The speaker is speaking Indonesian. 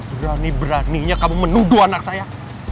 berani beraninya kamu menuduh anak saya